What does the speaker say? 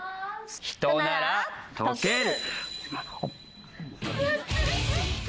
ヒトなら解ける！